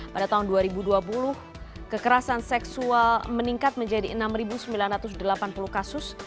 pada tahun dua ribu dua puluh kekerasan seksual meningkat menjadi enam sembilan ratus delapan puluh kasus